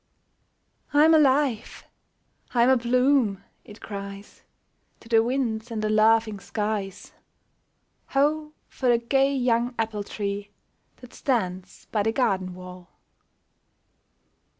" I'm alive ! I'm abloom !" it cries To the winds and the laughing skies. Ho ! for the gay young apple tree That stands by the garden wall